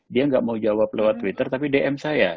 dia nggak mau jawab lewat twitter tapi dm saya